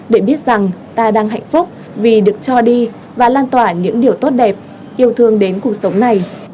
để biết rằng ta đang hạnh phúc vì được cho đi và lan tỏa những điều tốt đẹp yêu thương đến cuộc sống này